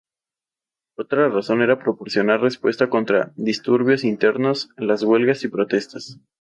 Otra razón era proporcionar respuesta contra disturbios internos, las huelgas y protestas.